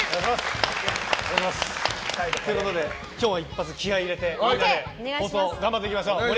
今日は一発気合い入れて放送頑張っていきましょう。